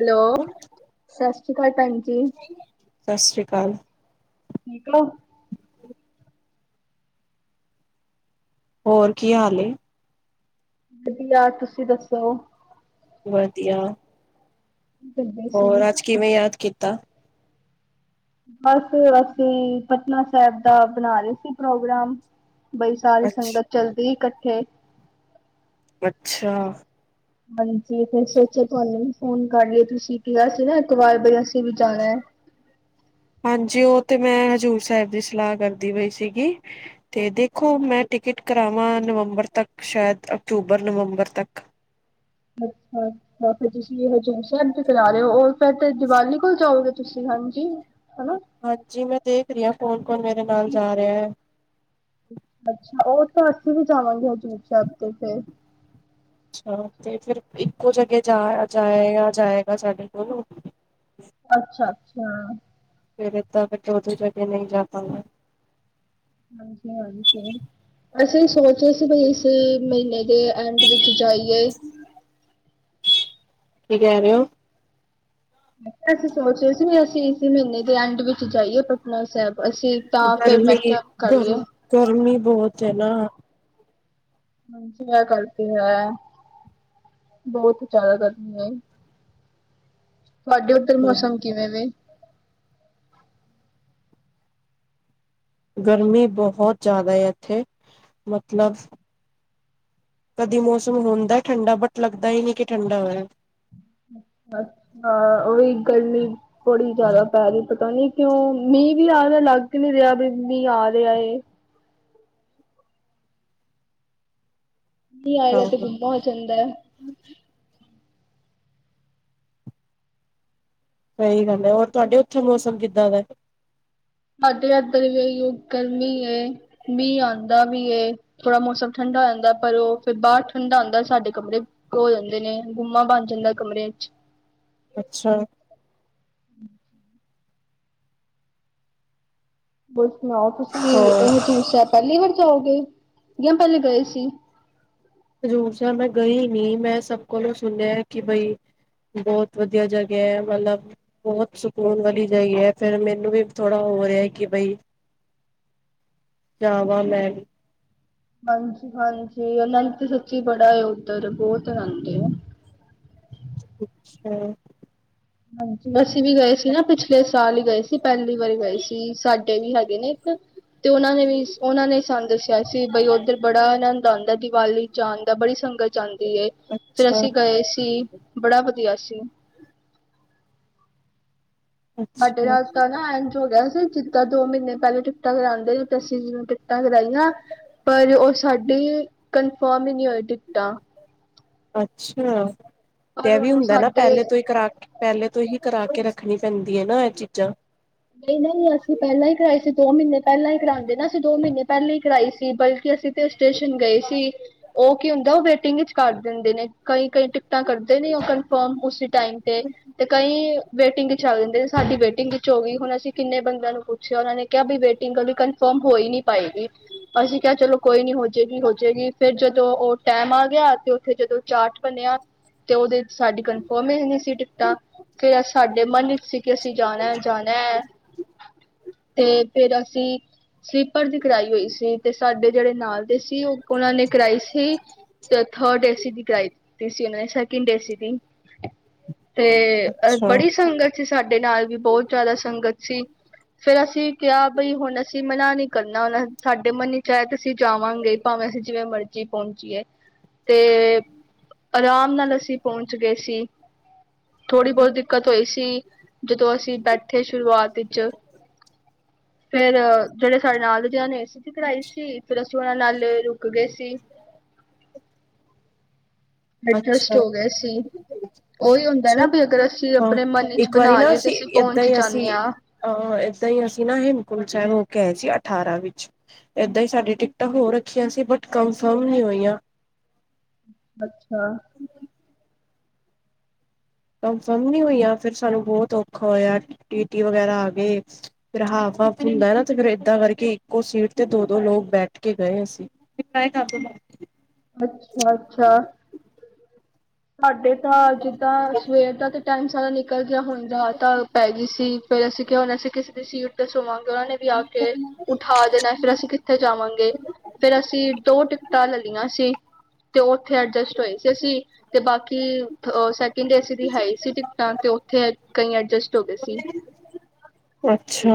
Hello ਸਤਿ ਸਤਿ ਸ੍ਰੀ ਅਕਾਲ ਭੈਣ ਜੀ। ਸ੍ਰੀ ਅਕਾਲ। ਠੀਕ ਹੋ? ਹੋਰ ਕੀ ਹਾਲ ਹੈ? ਵਧੀਆ ਤੁਸੀਂ ਦੱਸੋ? ਵਧੀਆ। ਕਰਦੇ ਸੀ? ਹੋਰ ਅੱਜ ਕਿਵੇਂ ਯਾਦ ਕੀ? ਕੀਤਾ? ਬਸ ਅਸੀਂ ਪਟਨਾ ਸਾਹਿਬ ਦਾ ਬਣਾ ਰਹੇ ਸੀ ਪ੍ਰੋਗਰਾਮ? ਬਈ ਸਾਰੀ ਅੱਛ ਸੰਗਤ ਚੱਲਦੀ। ਇੱਕਠੇ। ਅੱਛਾ। ਹਾਂਜੀ ਫਿਰ ਸੋਚਿਆ ਤੁਹਾਨੂੰ ਵੀ ਫੋਨ ਕਰ ਲਈਏ, ਤੁਸੀਂ ਕਿਹਾ ਸੀ ਨਾ, ਇੱਕ ਵਾਰ ਬ ਹਾਂਜੀ, ਉਹ ਤੇ ਮੈਂ ਹਜ਼ੂਰ ਸਾਹਿਬ ਦੀ ਸਲਾਹ ਕਰਦੀ ਪਈ ਸੀਗੀ, ਤੇ ਦੇਖੋ ਮੈਂ ਟਿਕਟ ਕਰਾਵਾਂ, ਨਵੰਬਰ ਤੱਕ ਸ਼ਾਇਦ ਅਕਤੂਬਰ, ਨਵੰਬਰ ਤੱਕ। ਅੱਛਾ, ਫਿਰ ਤੁਸੀਂ ਹਜ਼ੂੂਰ ਸਾਹਿਬ ਦੀ ਕਰਾ ਰਹੇ ਉ, ਉਹ ਫਿਰ ਤੇ ਦੀਵਾਲੀ ਕੋਲ ਜਾਉਗੇ ਤੁਸੀਂ, ਹਾਂਜੀ। ਹਨਾ। ਹਾਂਜੀ, ਮੈਂ ਦੇਖ ਦੀ ਆ ਕੌਣ ਕੌਣ ਮੇਰੇ ਨਾਲ ਜਾ ਰਿਹਾ ਐ। ਅੱਛਾ, ਉਹ ਤਾਂ ਅਸੀਂ ਵੀ ਜਾਵਾਂਗੇ ਹਜ਼ੂੂਰ ਸਾਹਿਬ ਤੇ ਫਿਰ ਅੱਛਾ ਤੇ ਫਿਰ ਇੱਕੋ ਜਗ੍ਹਾ ਜਾ ਜਾਏ ਜਾਏਗਾ ਸਾਡੇ ਕੋਲ ਅੱਛਾ ਅੱਛਾ। ਹਾਂ। ਫੇਰ ਤਾਂ ਛੋਟੀ ਕਰਕੇ ਨਹੀਂ ਜਾ ਪਾਵਾਗੇ। ਹਾਂਜੀ ਹਾਂਜੀ, ਅਸੀਂ ਸੋਚ ਅਸੀਂ ਵੀ ਇਸ ਮਹੀਨੇ ਦੇ ਐਂਡ ਵਿੱਚ ਜਾਈਏ। ਕੀ ਕਹਿ ਰਹੇ ਹੋ? ਅਸੀਂ ਸੋਚ ਰਹੇ ਸੀ, ਵੀ ਅਸੀਂ ਇਸ ਮਹੀਨੇ ਦੇ ਐਂਡ ਵਿੱਚ ਜਾਈਏ ਪਟਨਾ ਸਾਹਿਬ ਅਸੀਂ ਤਾਂ ਫਿਰ ਮੈਂ ਗਰਮੀ ਕਿਹਾ ਗਰ ਕਰੀਏ ਗਰਮੀ ਬਹੁਤ ਹੈ ਨਾ ਕਰਦੇ ਆ, ਬਹੁਤ ਜ਼ਿਆਦਾ ਗਰਮੀ ਏ। ਤੁਹਾਡੇ ਉੱਧਰ ਹਮ ਮੌਸਮ ਕਿਵੇਂ ਵੇ। ਗਰਮੀ ਬਹੁਤ ਜ਼ਿਆਦਾ ਇੱਥੇ, ਮਤਲਬ ਕਦੇ ਮੌਸਮ ਹੁੰਦਾ ਠੰਡਾ, ਬਟ ਲੱਗਦਾ ਹੀ ਨਹੀਂ ਕਿ ਠੰਡਾ ਹੋਇਆ ਏ। ਅੱਛਾਂ ਉਹੀ ਗੱਲ ਬੜੀ ਜਿਆਦਾ ਪੈ ਰਹੀ, ਪਤਾ ਨੀ ਕਿਉਂ, ਮੀਂਹ ਵੀ ਆ ਰਿਹਾ ਲੱਗ ਨਹੀਂ ਰਿਹਾ ਵੀ ਮੀਂਹ ਆ ਰਿਹਾ ਏ। ਨਹੀਂ ਹਾਂ ਆਏਗਾ ਤੇ ਘੁੰਮਾ ਹੋ ਜਾਂਦਾ ਏ। ਸਹੀ ਗੱਲ ਏ, ਹੋਰ ਤੁਹਾਡੇ ਉੱਥੇ ਮੌਸਮ ਕਿੱਦਾਂ ਦਾ ਏ। ਸਾਡੇ ਇੱਧਰ ਵੀ ਉਹ ਗਰਮੀ ਏ, ਮੀਂਹ ਆਉਂਦਾ ਵੀ ਏ ਥੋੜਾ ਮੌਸਮ ਠੰਡਾ ਹੋ ਜਾਂਦਾ, ਪਰ ਉਹ ਫੇਰ ਬਾਹਰ ਠੰਡਾ ਹੁੰਦਾ, ਸਾਡੇ ਕਮਰੇ ਹੋੋ ਜਾਂਦੇ ਨੇ ਗੁੰਮਾ ਬਣ ਜਾਂਦਾ ਕਮਰੇ ਚ ਅੱਛਾ। [unintelligible] [unintelligible] ਸੁਣਾਉ, ਤੁਸੀਂ ਹੋਰ ਇਹ ਹਜ਼ੂਰ ਸਾਹਿਬ ਪਹਿਲੀ ਵਾਰ ਜਾਉਗੇ। ਜਾਂ ਪਹਿਲੇ ਗਏ ਸੀ। ਹਜ਼ੂਰ ਸਾਹਿਬ ਮੈਂ ਗਈ ਨੀ, ਮੈਂ ਸਭ ਕੋਲੋਂ ਸੁਣਿਆ ਕਿ ਬਈ ਬਹੁਤ ਵਧੀਆ ਜਗ੍ਹਾ ਏ, ਮਤਲਬ ਬਹੁਤ ਸਕੂਨ ਵਾਲੀ ਜਗ੍ਹਾ ਏ, ਫਿਰ ਮੈਨੂੰ ਵੀ ਥੋੜਾ ਹੋ ਰਿਹਾ ਕਿ ਬਈ ਜਾਵਾਂ ਮੈਂ ਵੀ ਹਾਂਜੀ ਹਾਂਜੀ, ਉਹਨਾਂ ਨੂੰ ਸੱਚੀ ਬੜਾ ਉੱਧਰ ਬਹੁਤ ਆਉਦੇ ਆ। ਅੱਛਾ। ਹਾਂਜੀ, ਬਸ ਅਸੀ ਵੀ ਗਏ ਸੀ ਨਾ ਪਿਛਲੇ ਸਾਲ ਹੀ ਗਏ ਸੀ, ਪਹਿਲੀ ਵਾਰੀ ਗਏ ਸੀ, ਸਾਡੇ ਵੀ ਹੈਗੇ ਨੇ ਇੱਕ ਤੇ ਉਹਨਾਂ ਨੇ ਵੀ ਉਹਨਾਂ ਨੇ ਸਾਨੂੰ ਦੱਸਿਆ ਸੀ, ਬਈ ਉੱਧਰ ਬੜਾ ਆਨੰਦ ਆਉਂਦਾ ਦੀਵਾਲੀ ਜਾਣ ਦਾ ਬੜੀ ਸੰਗਤ ਜਾ ਫਿਰ ਅੱਛਾ ਅਸੀਂ ਗਏ ਸੀ, ਬੜਾ ਵਧੀਆ ਸੀ। ਸਾਡੇ ਅੱਛਾ ਹਸ ਤਾਂ ਨਾ ਐਝ ਹੋ ਗਿਆ ਜਿੱਦਾਂ ਦੋ ਮਹੀਨੇ ਪਹਿਲੇ ਟਿਕਟਾਂ ਕਰਾਉਂਦੇ ਸੀ ਅਸੀਂ [unintelligible] ਟਿਕਟਾਂ ਕਰਾਈਆਂ ਪਰ ਓ ਸਾਡੀ ਕਨਫਰਮ ਹੀ ਨਈ ਹੋਈ ਟਿਕਟਾਂ ਅੱਛਾ। ਤੇ ਪਰ ਐ ਵੀ ਉਹਨੂੰ ਹੁੰਦਾ ਨਾ ਸਾਡੇ ਪਹਿਲੇ ਤੋਂ ਹੀ ਕਰਾ ਪਹਿਲੇ ਤੋਂ ਹੀ ਕਰਾ ਕੇ ਰ ਖਣੀ ਪੈਂਦੀ ਐ ਨਾ ਐ ਚੀਜਾਂ। ਨਈ-ਨਈ ਅਸੀਂ ਪੈਲਾਂ ਈ ਕਰਾਈ ਸੀ ਦੋ ਮੀੱਨੇ ਪੈਲਾਂ ਈ ਕਰਾਂਦੇ ਨਾ ਅਸੀਂ ਦੋ ਮੀੱਨੇ ਪੈਲੇ ਈ ਕਰਾਈ ਸੀ ਬਲਕਿ ਅਸੀਂ ਤੇ ਸਟੇਸ਼ਨ ਗਏ ਸੀ, ਓ ਕੀ ਹੁੰਦਾ ਓ ਵੇਟਿੰਗ ਇਚ ਕੱਰ ਦਿੰਦੇ ਨੇ ਕਈ-ਕਈ ਟਿਕਟਾਂ ਕਰਦੇ ਨੇ ਓ ਕੰਨਫਮ ਉਸ ਸੀ ਟਾਈਮ ਤੇ, ਤੇ ਕਈ ਵੇਟਿੰਗ ਇੱਚ ਆ ਜਾਂਦੇ ਸਾਡੀ ਵੇਟਿੰਗ ਵਿੱਚ ਹੋਗੀ ਹੁਣ ਅਸੀਂ ਕਿੰਨੇ ਬੰਦੇਆਂ ਨੂੰ ਪੁੱਛੇਆ ਓਨਾਂ ਨੇ ਕੇਆ ਵੀ ਵੇਟਿੰਗ ਕੰਨਫਮ ਹੋਈ ਨੀ ਪਾਏਗੀ, ਅਸੀਂ ਕੇਆ ਚਲੋ ਕੋਈ ਨੀ ਹੋਜੇਗੀ-ਹੋਜੇਗੀ ਫੇਰ ਜਦੋਂ ਓ ਟੈਮ ਆ ਗੇਆ ਤੇ ਓੱਥੇ ਜਦੋਂ ਚਾਟ ਬਣੇਆ ਤੇ ਓਦੇ ਸਾਡੀ ਕੰਨਫਮ ਈ ਨੀ ਸੀ ਟਿਕਟਾਂ, ਫੇਰ ਸਾਡੇ ਮਨ ਵਿੱਚ ਸੀ ਕਿ ਅਸੀਂ ਜਾਣੈ-ਜਾਣੈ ਐ। ਤੇ ਫੇਰ ਅਸੀਂ, ਸਲੀਪਰ ਦੀ ਕਰਾਈ ਹੋਈ ਸੀ ਤੇ ਸਾਡੇ ਜੇੜੇ ਨਾਲ ਦੇ ਸੀ ਓ ਓਨਾਂ ਨੇ ਕਰਾਈ ਸੀ, ਤੇ ਥਅਡ ਏਸੀ ਦੀ ਕਰਾਈ ਦਿੱਤੀ ਸੀ ਓ ਨੇ ਸੈਕਿੰਡ ਏਸੀ ਦੀ। ਤੇ ਅ ਅੱਛਾ, ਬੜੀ ਸੰਗਤ ਸੀ ਸਾਡੇ ਨਾਲ ਵੀ ਬੋ ਦਾ ਸੰਗਤ ਸੀ, ਫੇਰ ਅਸੀਂ ਕੇਆ ਬਈ ਹੁਣ ਅਸੀਂ ਮਨਾ ਨੀ ਕਰਨਾ ਹੁਣ ਸਾਡੇ ਮਨ ਇੱਚ ਐ ਤੇ ਅਸੀਂ ਜਾਵਾਂਗੇ ਭਾਵੇਂ ਅਸੀਂ ਜਿਵੇਂ ਮਰਜੀ ਪੌਂਚੀਏ। ਤੇ, ਅਰਾਮ ਨਾਲ ਅਸੀਂ ਪੌਂਚ ਗਏ ਸੀ, ਥੋੜ੍ਹੀ-ਬੋਤੀ ਦਿੱਕਤ ਹੋਈ ਸੀ ਜਦੋਂ ਅਸੀਂ ਬੈਠ ਥੇ ਸ਼ੁਰੂਆਤ ਇੱਚ। ਫੇਰ ਜੇੜ੍ਹੇ ਸਾਡੇ ਨਾਲ ਦੇ ਜਿੰਨਾ ਨੇ ਏਸੀ ਦੀ ਕਰਾਈ ਸੀ ਫੇਰ ਅ ਓਨਾਂ ਨਾਲ ਰੁਕ ਗੇ ਸੀ ਐਡਜਸਟ ਅੱਛਾ, ਹੋ ਗਏ ਸੀ ਓਈ ਹੁੰਦਾ ਨਾ ਅੱਛਾ ਵੀ ਅਗਰ ਅਸੀਂ ਹਾਂ ਆਪਣੇ ਮਨ ਚ ਇੱਕ ਵਾਰੀ ਬਣਾ ਨਾ ਲਈਏ ਤੇ ਅਸੀਂ ਏਦਾਂ ਪਹੁੰਚ ਹੀ ਅਸੀਂ ਜਾਂਨੇ ਆ ਗਏ ਸੀ ਅਠਾਰਾਂ ਵਿੱਚ ਏਦਾਂ ਈ ਸਾਡੀ ਟਿਕਟਾਂ ਹੋ ਰੱਖੀਆਂ ਸੀ ਬਟ ਕੰਫਰਮ ਨੀ ਹੋਈਆਂ ਅੱਛਾ। ਕੰਫਰਮ ਨੀ ਹੋਈਆਂ ਫਿਰ ਸਾਨੂੰ ਬਹੁਤ ਔਖਾ ਹੋਇਆ ਟੀਟੀ ਵਗੈਰਾ ਆ ਗੇ ਫਿਰ ਹਾਫ ਹਾਫ ਹੁੰਦਾ ਨਾ ਤੇ ਫਿਰ ਏਦਾਂ ਕਰਕੇ ਇੱਕੋ ਸੀਟ ਤੇ ਦੋ ਦੋ ਲੋਕ ਬੈਠ ਕੇ ਗਏ ਅਸੀਂ [unintelligible] ਅੱਛਾ-ਅੱਛਾ ਸਾਡੇ। ਤਾਂ ਜਿੱਦਾਂ ਸਵੇਰ ਦਾ ਤੇ ਟਾਈਮ ਸਾਰਾ ਨਿਕਲ ਗਿਆ ਹੁਣ ਜਾ ਤਾਂ ਪੈ ਗਈ ਸੀ ਫੇਰ ਅਸੀਂ ਕਿਆ ਹੁਣ ਅਸੀ ਕਿਸ ਦੀ ਸੀਟ ਤੇ ਸੋਵਾਂਗੇ ਓਨਾਂ ਨੇ ਵੀ ਆ ਕੇ ਉਠਾ ਦੇਣਾ ਫਿਰ ਅਸੀਂ ਕਿੱਥੇ ਜਾਵਾਂਗੇ ਫੇਰ ਅਸੀਂ ਦੋ ਟਿਕਟਾਂ ਲੇਲੀਆਂ ਸੀ ਤੇ ਓਥੇ ਐਡਜਸਟ ਟ ਹੋਏ ਸੀ ਅਸੀ ਤੇ ਬਾਕੀ ਸੈਕਿੰਡ ਏ ਸੀ ਦੀ ਹੈ ਈ ਸੀ ਟਿਕਟਾਂ ਤੇ ਓਥੇ ਕਈ ਐਡਜਸਟ ਹੋ ਗੇ ਸੀ ਅੱਛਾ।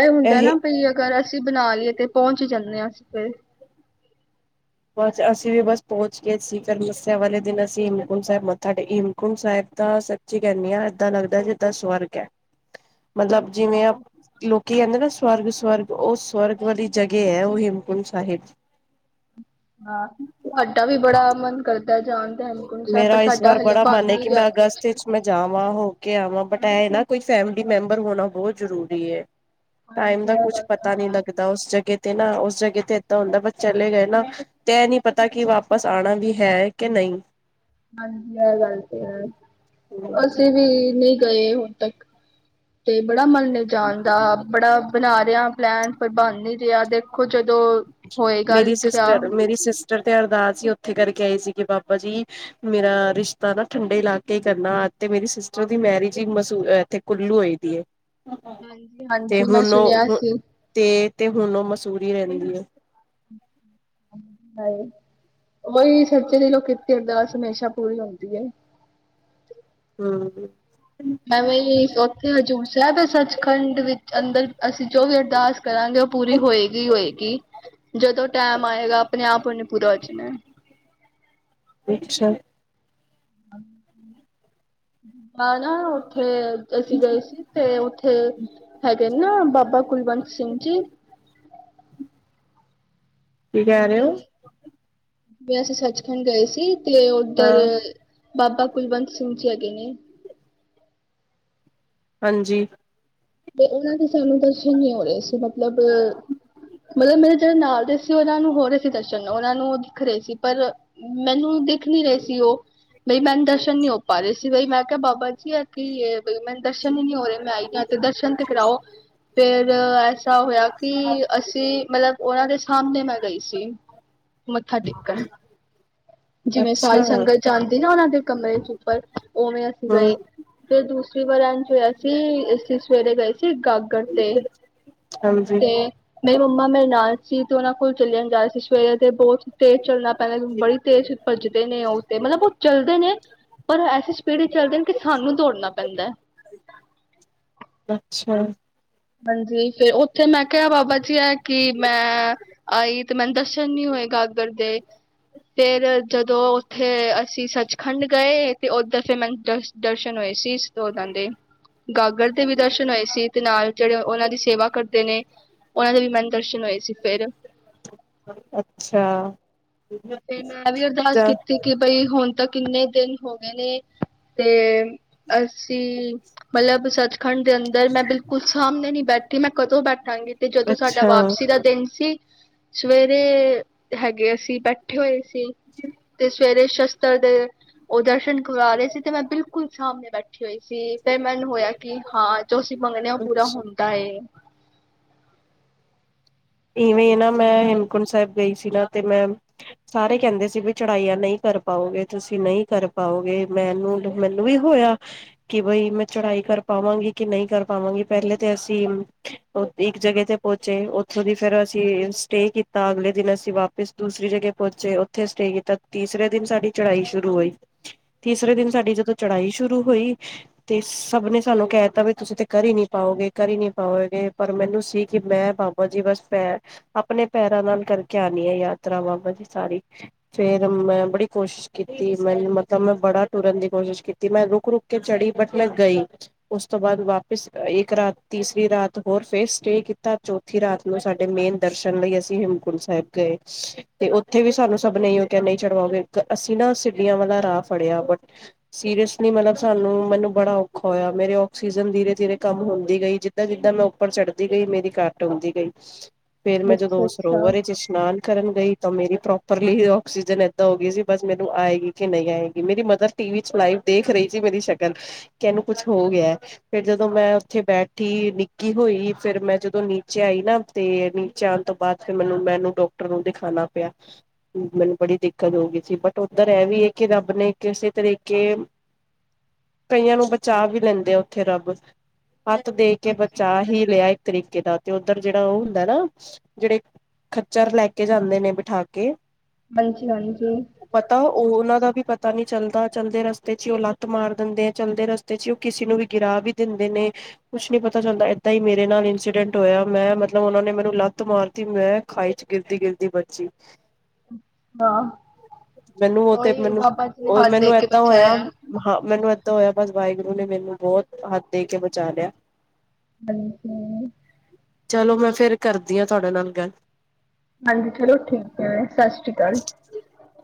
ਇਹ ਹੁੰਦਾ ਇਹੀ ਨਾ ਬ ਅਗਰ ਅਸੀਂ ਬਣਾ ਲਈਏ ਤੇ ਪਹੁੰਚ ਜਾਂਦੇ ਨ ਆਸੀਪਏ ਬਸ ਅਸੀਂ ਵੀ ਬਸ ਪਹੁੰਚ ਗਏ ਸੀ ਫਿਰ ਮੱਸਿਆ ਵਾਲੇ ਦਿਨ ਅਸੀਂ ਹੇਮਕੁੰਟ ਸਾਹਿਬ ਮੱਥਾ ਟੇ ਹੇਮਕੁੰਟ ਸਾਹਿਬ ਤਾਂ ਸੱਚੀ ਕਹਿੰਦੇ ਹਾਂ ਏਦਾਂ ਲੱਗਦਾ ਏਦਾਂ ਸਵਰਗ ਹੈ ਮਤਲਬ ਜਿਵੇਂ ਅੱਛਾ। ਲੋਕ ਕੀ ਕਹਿੰਦੇ ਨਾ ਸਵਰਗ ਸਵਰਗ ਉਹ ਸਵਰਗ ਵਾਲੀ ਜਗ੍ਹਾ ਹੈ ਉਹ ਹੇਮਕੁੰਟ ਸਾਹਿਬ ਹਾਂ ਤੁਡਾ ਵੀ ਬੜਾ ਮਨ ਕਰਦਾ ਜਾਣ ਦਾ ਹੇਮਕੁੰਟ ਸਾਹਿਬ ਪਰ ਮੇਰਾ ਇਸ ਸਾਡਾ ਵਾਰ ਹਲੇ ਬੜਾ ਬਣ ਮਨ ਏ ਨੀ ਕਿ ਰਿਹਾ ਮੈਂ ਅਗਸਤ ਕੁਛ ਵਿੱਚ ਮੈਂ ਜਾਵਾਂ ਹੋ ਕੇ ਆਵਾਂ ਬਟ ਐਏ ਨਾ ਕੋਈ ਫੈਮਿਲੀ ਮੈਂਬਰ ਹੋਣਾ ਬਹੁਤ ਜ਼ਰੂਰੀ ਏ ਟਾਈਮ ਹਾਂਜੀ ਦਾ ਇਹ ਕੁਛ ਗੱਲ ਤਾਂ ਪਤਾ ਨਹੀਂ ਹੈ ਲੱਗਦਾ ਉਸ ਜਗ੍ਹਾ ਤੇ ਨਾ ਉਸ ਜਗ੍ਹੇ ਤੇ ਇਏਦਾਂ ਹੁੰਦਾ ਬ ਚਲੇ ਗਏ ਨਾ ਤੇ ਇਹ ਨੀ ਪਤਾ ਕਿ ਵਾਪਸ ਆਉਣਾ ਵੀ ਹੈ ਕਿ ਨਹੀਂ ਹਾਂਜੀ ਇਹ ਗੱਲ ਤੇ ਹੈ ਅਸੀਂ ਵੀ ਨਹੀਂ ਗਏ ਹੁਣ ਤੱਕ ਤੇ ਬੜਾ ਮੰਨੇ ਜਾਣ ਦਾ ਬੜਾ ਬਣਾ ਰਿਹਾ ਪਲੈਨ ਪ੍ਰਬੰਧ ਨਹੀਂ ਰਿਹਾ ਦੇਖੋ ਜਦੋਂ ਹੋਏਗਾ ਮੇਰੀ ਲਿਖਿਆ ਸਿਸਟਰ ਮੇਰੀ ਸਿਸਟਰ ਤੇ ਅਰਦਾਸ ਹੀ ਉੱਥੇ ਕਰਕੇ ਆਏ ਸੀ ਕਿ ਬਾਬਾ ਜੀ ਮੇਰਾ ਰਿਸ਼ਤਾ ਨਾ ਠੰਡੇ ਇਲਾਕੇ ਹੀ ਕਰਨਾ ਤੇ ਮੇਰੀ ਸਿਸਟਰ ਦੀ ਮੈਰਿਜ ਹੀ ਮਸੂ ਇੱਥੇ ਕੁੱਲੂ ਹੋਏ ਦੀ ਹਾਂਜੀ ਤੇ ਹਾਂਜੀ ਮੈਂ ਹੁਣ ਸੁਣਿਆ ਉਹ ਸੀ ਤੇ ਤੇ ਹੁਣ ਉਹ ਮਸੂਰੀ ਰਹਿਣ ਦੀ ਆ [inaudible] ਏ ਉਹੀ ਸੱਚੇ ਦੀ ਲੋ ਕੀਤੀ ਅਰਦਾਸ ਹਮੇਸ਼ਾ ਪੂਰੀ ਹੁੰਦੀ ਹੈ ਹਮ ਮਵੇਂ ਉੱਥੇ ਹਜ਼ੂਰ ਸਾਹਿਬ ਸੱਚਖੰਡ ਵਿੱਚ ਅੰਦਰ ਅਸੀਂ ਜੋ ਵੀ ਅਰਦਾਸ ਕਰਾਂਗੇ ਉਹ ਪੂਰੀ ਹੋਏਗੀ ਹੋਏਗੀ ਜਦੋਂ ਟਾਈਮ ਆਏਗਾ ਆਪਣੇ ਆਪ ਉਹਨੇ ਪੂਰਾ ਹੋ ਜਾ ਹਨ ਅੱਛਾ ਨਾ ਉੱਥੇ ਅਸੀਂ ਗਏ ਸੀ ਤੇ ਉੱਥੇ ਹੈਗੇ ਨੇ ਨਾ ਬਾਬਾ ਕੁਲਵੰਤ ਸਿੰਘ ਜੀ ਕੀ ਕਹਿ ਰਹੇ ਹੋ ਵੀ ਅਸੀਂ ਸੱਚਖੰਡ ਗਏ ਸੀ ਤੇ ਉੱਧਰ ਹਾਂ ਬਾਬਾ ਕੁਲਵੰਤ ਸਿੰਘ ਜੀ ਹੈਗੇ ਨੇ ਹਾਂਜੀ ਤੇ ਉਹਨਾਂ ਦੇ ਸਾਨੂੰ ਦਰਸ਼ਨ ਨੀ ਹੋ ਰਹੇ ਸੀ ਮਤਲਬ ਮਤਲਬ ਮੇਰੇ ਜਿਹੜੇ ਨਾਲ ਦੇ ਸੀ ਉਹਨਾਂ ਨੂੰ ਹੋ ਰਹੇ ਸੀ ਦਰਸ਼ਨ ਉਹਨਾਂ ਨੂੰ ਉਹ ਦਿਖ ਰਹੇ ਸੀ ਪਰ ਮੈਨੂੰ ਦਿਖ ਨੀ ਰਹੇ ਸੀ ਉਹ ਬਈ ਮੈਨੂੰ ਦਰਸ਼ਨ ਨੀ ਹੋ ਪਾ ਰਹੇ ਸੀ ਬਈ ਮੈਂ ਕਿਹਾ ਬਾਬਾ ਜੀ ਹੈ ਕਿ ਏ ਮੈਨ ਦਰਸ਼ਨ ਹੀ ਨਹੀਂ ਹੋ ਰਹੇ ਮ ਆਈ ਦਰਸ਼ਨ ਤੇ ਕਰਾਓ ਫੇਰ ਐਸਾ ਹੋਇਆ ਕਿ ਅਸੀਂ ਮਤਲਬ ਉਹਨਾਂ ਦੇ ਸਾਹਮਣੇ ਮੈਂ ਗਈ ਸੀ ਮੱਥਾ ਟਿਕਕਰ ਜਿਵੇਂ ਸਾਰੀ ਅੱਛਾ ਸੰਗਤ ਜਾਂਦੀ ਨਾ ਉਹਨਾਂ ਦੇ ਕਮਰੇ ਚ ਪਰ ਉਵੇਂ ਅਸੀਂ ਹਮ ਗਏ ਫਰ--ਦੂਸਰੀ ਵਰ ਚ ਅਸੀ ਅਂ ਸਵੇਰੇ ਗਏ ਸੀ ਗਾਗੜ ਤੇ ਹਾਂਜੀ ਤੇ -ਮੇਰੀ ਮੰਮਾ ਮੇਰੇ ਨਾਲ ਸੀ ਤੇ ਉਹਨਾਂ ਕੋਲ ਚੱਲਿਆ ਜਾ ਸੀ ਸਵੇਰੇ ਦੇ ਬਹੁਤ ਤੇਜ਼ ਚੱਲਣਾ ਪੈਦਾ ਬੜੀ ਤੇ ਭੱਜਦੇ ਨੇ ਉਹ ਤੇ ਮਤਲਬ ਉਹ ਚੱਲਦੇ ਨੇ ਪਰ ਐਸੀ ਸਪੀਡ ਹੀ ਚੱਲਦੇ ਨੇ ਕਿ ਸਾਨੂੰ ਦੌੜਨਾ ਪੈਂਦਾ ਹੈ। ਅੱਛਾ। ਹਾਂਜੀ। ਫੇਿਰ ਉੱਥੇ ਮੈਂ ਕਿਹਾ ਬਾਬਾ ਜੀ ਹੈ। ਕਿ ਮੈਂ ਆਈ ਤੇ ਮੈਨੂੰ ਦਰਸ਼ਨ ਨੀ ਹੋਏਗਾ। [unintelligible] ਫੇਰ ਜਦੋਂ ਉੱਥੇ ਅਸੀਂ ਸੱਚਖੰਡ ਗਏ ਤੇ ਉਦ ਫੇ ਮ ਦ ਦਰਸ਼ਨ ਹੋਏ ਸੀ ਇਸਦਾਂ ਦੇ ਗਾਗਰ ਦੇ ਵੀ ਦਰਸ਼ਨ ਹੋਏ ਸੀ ਤੇ ਨਾਲ ਜਿਹੜੇ ਉਹਨਾਂ ਦੀ ਸੇਵਾ ਕਰਦੇ ਨੇ ਉਹਨਾਂ ਦੇ ਵੀ ਮੈਨ ਦਰਸ਼ਨ ਹੋਏ ਸੀ ਫਿਰ ਅੱਛਾ ਤੇ ਮੈਂ ਵੀ ਅਰਦਾਸ ਜਾ ਕੀਤੀ ਕਿ ਬਈ ਹੁਣ ਤੱਕ ਕਿੰਨੇ ਦਿਨ ਹੋ ਗਏ ਨੇ। ਤੇ [unintelligible] ਖੰਡ ਦੇ ਅੰਦਰ ਮੈਂ ਬਿਲਕੁਲ ਸਾਹਮਣੇ ਨੀ ਬੈਠੀ ਮੈਂ ਕਦੋਂ ਬੈਠਾਂਗੀ ਤੇ ਜਦੋਂ ਸਾਡਾ ਅੱਛਾ ਵਾਪਸੀ ਦਾ ਦਿਨ ਸੀ। ਸਵੇਰੇ ਹੈਗੇ ਅਸੀਂ ਬੈਠੇ [unintelligible] ਹੋਏ ਤੇ ਸਵੇਰੇ ਸ਼ਸਤਰ ਦੇ ਉਹ ਦਰਸ਼ਨ ਕਰਵਾ ਟਕਰਹੇ ਸੀ ਤੇ ਮੈਂ ਬਿਲਕੁਲ ਸਾਹਮਣੇ ਬੈਠੀ ਹੋਈ। ਸੀ ਫ ਮੈਨੂੰ ਹੋਇਆ ਕਿ ਹਾਂ ਜੋ ਅਸੀਂ ਮੰਗਣੇ ਉਹ ਪੂਰਾ ਅੱਛਾ ਹੁੰਦਾ ਏ। ਇਵੇਂ ਨਾ ਮੈਂ ਹੇਮਕੁੰਟ ਸਾਹਿਬ ਗਈ ਸੀ ਨਾ ਤੇ ਮੈਂ ਸਾਰੇ ਕਹਿੰਦੇ ਸੀ ਵੀ ਚੜ੍ਹਾਈਆਂ ਨਹੀਂ ਕਰ ਪਾਓਗੇ ਤੁਸੀਂ ਨਹੀਂ ਕਰ ਪਾਓਗੇ ਮੈਨੂੰ ਮੈਨੂੰ ਵੀ ਹੋਇਆ ਕਿ ਬਈ ਮੈਂ ਚੜਾਈ ਕਰ ਪਾਵਾਂਗੀ ਕਿ ਨਹੀਂ ਕਰ ਪਾਵਾਂਗੀ ਪਹਿਲੇ ਤੇ ਅਸੀਂ ਇੱਕ ਜਗ੍ਹਾ ਤੇ ਪਹੁੰਚੇ ਥੋਂ ਫਿਰ ਅਸੀਂ ਸਟੇ ਕੀਤਾ ਅਗਲੇ ਦਿਨ ਅਸੀਂ ਵਾਪਿਸ ਦੂਸਰੀ ਜਗੇ ਪਹੁੰਚੇ ਉਓਥੇ ਸਟੇ ਕੀਤਾ ਤੀਸਰੇ ਦਿਨ ਸਾਡੀ ਚੜਾਈ ਸ਼ੁਰੂ ਹੋਈ ਤੀਸਰੇ ਦਿਨ ਸਾਡੀ ਜਦੋਂ ਚੜਾਈ ਸ਼ੁਰੂ ਹੋਈ ਤੇ ਸਭ ਨੇ ਸਾਨੂੰ ਕਹਿ ਦਿੱਤਾ ਵੀ ਤੁਸੀਂ ਤੇ ਘਰ ਹੀ ਨੀ ਪਾਓਗੇ ਘਰ ਹੀ ਨੀ ਪਾਓਗੇ ਪਰ ਮੈਨੂੰ ਸੀ ਕਿ ਮੈਂ ਬਾਬਾ ਬਾਬਾ ਜੀ ਬਸੈ ਆਪਣੇ ਪੈਰਾਂ ਨਾਲ ਕਰਕੇ ਆਉਣੀ ਆ ਯਾਤਰਾ ਬਾਬਾ ਜੀ ਸਾਰੀ ਫੇਰ ਮੈਂ ਬੜੀ ਕੋਸ਼ਿਸ਼ ਕੀਤੀ ਮੈਂ ਮਤਲਬ ਮੈਂ ਬੜਾ ਟੁਰਨ ਦੀ ਕੋਸ਼ਿਸ਼ ਕੀਤੀ ਮੈਂ ਰੁਕ ਰੁਕ ਕੇ ਚੜੀ ਬਟ ਮੈਂ ਗਈ ਉਸ ਤੋਂ ਬਾਅਦ ਵਾਪਿਸ ਇੱਕ ਰਾਤ ਤੀਸਰੀ ਰਾਤ ਹੋਰ ਫੇਿਰ ਸਟੇ ਕੀਤਾ ਰਾਤ ਨੂੰ ਸਾਡੇ ਮੇਨ ਦਰਸ਼ਨ ਲਈ ਅਸੀਂ ਹੇਮਕੁੰਟ ਸਾਹਿਬ ਗਏ ਤੇ ਉੱਥੇ ਵੀ ਸਾਨੂੰ ਸਭ ਨਹੀਂ ਕ ਨਹੀਂ ਚੜਵਾਓਗੇ ਅਸੀਂ ਨਾ ਸਿਡੀਆਂ ਵਾਲਾ ਰਾਹ ਫੜਿਆ ਬਟ ਸੀਰੀਅਸਲੀ ਮਤਲਬ ਸਾਨੂੰ ਮੈਨੂੰ ਬੜਾ ਔਖਾ ਹੋਇਆ ਮੇਰੇ ਆਕਸੀਜਨ ਧੀਰੇ ਧੀਰੇ ਕੰਮ ਹੁੰਦੀ ਗਈ ਜਿੱਦਾਂ ਜਿੱਦਾਂ ਮੈਂ ਉੱਪਰ ਚੜਦੀ ਗਈ ਮੇਰੀ ਘਰ ਟਾਉਦੀ ਗਈ। ਫੇਰ ਮੈਂ ਅੱਛਾ ਜਦੋਂ ਅੱਛਾ ਸਰੋਵਰੇ ਚ ਇਸ਼ਨਾਨ ਕਰਨ ਗਈ ਤਾਂ ਮੇਰੀ ਪ੍ਰੋਪਰਲੀ ਆਕਸੀਜਨ ਏਦ ਹੋ ਗਈ ਸੀ ਬਸ ਮੈਨੂੰ ਆਏਗੀ। ਕਿ ਨਹੀਂ ਆਏਗੀ ਮੇਰੀ ਮਦਰ ਟੀ ਵੀ ਚ ਲਾਈਵ ਦੇਖ ਰਹੀ ਸੀ ਮੇਰੀ ਸ਼ਕਲ ਕਿ ਇਹਨੂੰ ਕੁਛ ਹੋ ਗਿਆ ਫਿਰ ਜਦੋਂ ਮੈਂ ਉੱਥੇ ਬੈਠੀ ਨਿੱਕੀ ਹੋਈ ਫਿਰ ਮੈਂ ਜਦੋਂ ਨੇ ਆਈ ਨਾ ਤੇ ਨੀਚੇ ਆਉਣ ਤੋਂ ਬਾਅਦ ਫ ਮੈਨੂੰ ਮੈਨੂੰ ਡਾਕਟਰ ਨੂੰ ਦਿਖਾਣਾ ਪਿਆ ਮੈਨੂੰ ਬੜੀ ਦਿੱਕਤ ਹੋ ਗਈ ਸੀ ਬਟ ਉਓਧਰ ਇਹ ਵੀ ਕਿ ਰੱਬ ਨੇ ਕਿਸੇ ਤਰੀਕੇ ਕਈਆਂ ਨੂੰ ਬਚਾ ਵੀ ਲੈਂਦੇ ਆ ਉੱਥੇ ਰੱਬ ਹੱਥ ਦੇ ਕੇ ਬਚਾ ਹੀ ਲਿਆ ਇੱਕ ਤਰੀਕੇ ਦਾ। ਤੇ ਉੱਧਰ ਜਿਹੜਾ ਉਹ ਹੁੰਦਾ ਨਾ ਜਿਹੜੇ ਖੱਚਰ ਲੈ ਕੇ ਜਾਂਦੇ ਨੇ ਬਿਠਾ ਕੇ। ਹਾਂਜੀ ਹਾਂਜੀ ਪਤਾ ਉਹ ਉਹਨਾਂ ਦਾ ਵੀ ਪਤਾ ਪਤਾ ਨਹੀਂੀ ਚੱਲਦਾ ਚੱਲਦੇ ਰਸਤੇ ਚ ਹੀ ਉਹ ਲੱਤ ਮਾਰ ਦਿੰਦੇ ਹੈ ਚੱਲਦੇ ਰਸਤੇ ਚ ਉਹ ਕਿਸੇ ਨੂੰ ਵੀ ਗਿਰਾ ਵੀ ਦਿੰਦੇ ਨੇ ਕੁਛ ਨੀ ਪਤਾ ਚੱਲਦਾ ਏਦਾਂ ਹੀ ਮੇਰੇ ਨਾਲ ਇੰਸੀਡੈਂਟ ਟੋਇਆ ਮੈਂ ਮਤਲਬ ਉਹਨਾਂ ਨੇ ਮੈਨੂੰ ਲੱਤ ਮਾਰਤੀ ਮੈਂ ਖਾਈ ਚ ਗਿਰਦੀ ਗਿਰਦੀ ਬਚੀ। ਹਾਂ ਮੈਨੂੰ ਉਹ ਤੇ ਉਹੀ ਮੈਨੂੰ ਬਾਬਾ ਜੀ ਨੇ ਉਹ ਹੱਥ ਦੇ ਮੈਨੂੰ ਕੇ ਏਦਾਂ ਹੋਇਆ ਬਚਾਇਆ ਹਾਂ ਮੈਨੂੰ? ਕੀਤਾ ਹੋਇਆ ਬਸ ਵਾਹਿਗੁਰੂ ਨੇ ਮੈਨੂੰ ਬਹੁਤ ਹੱਥ ਦੇ ਕੇ ਬਚਾ ਲਿਆ। ਹੂੰ ਹੂੰ। ਚਲੋ ਮੈਂ ਫੇਰ ਕਰਦੀ ਹਾਂ ਤੁਹਾਡੇ ਨਾਲ ਗੱਲ? ਹਾਂਜੀ ਚਲੋ ਠੀਕ ਹੈ ਸਤਿ ਸ਼੍ਰੀ। [inaudible] [inaudible] [inaudible]